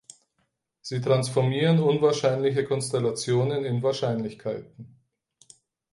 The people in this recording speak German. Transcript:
Sie transformieren unwahrscheinliche Konstellationen in Wahrscheinlichkeiten.